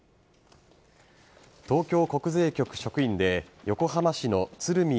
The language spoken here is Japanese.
東京国税局職員で横浜市の鶴見